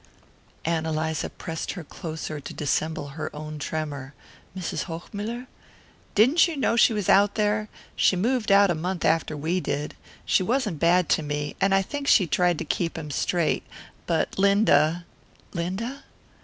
Ann Eliza pressed her closer to dissemble her own tremor. "Mrs. Hochmuller?" "Didn't you know she was out there? She moved out a month after we did. She wasn't bad to me, and I think she tried to keep him straight but Linda " "Linda